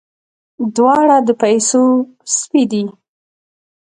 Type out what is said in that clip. دواړه د پيسو سپي دي.